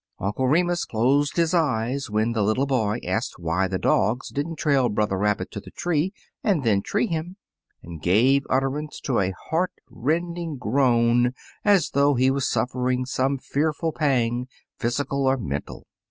Uncle Remus closed his eyes when the lit tle boy asked why the dogs did n't trail Brother Rabbit to the tree, and then tree him, and gave utterance to a heart rend ing groan, as though he was suffering some fearful pang, physical or mental.